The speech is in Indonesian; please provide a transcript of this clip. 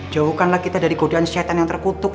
jauhkanlah kita dari godaan syaitan yang terkutuk